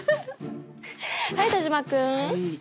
はい田島君。はい。